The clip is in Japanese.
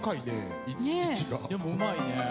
でもうまいね。